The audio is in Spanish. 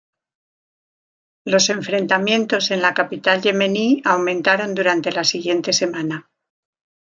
Los enfrentamientos en la capital yemení aumentaron durante la siguiente semana.